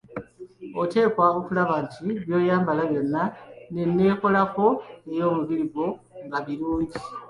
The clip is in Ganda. Oteekwa okulaba nti byoyambala byonna nenneekolako eyomubiri gwo nga birungi.